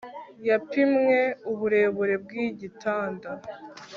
Yapimye uburebure bwigitanda